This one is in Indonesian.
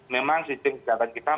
memang sistem kesehatan kita